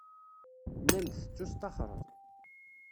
Nnan-d tettusṭaxreḍ.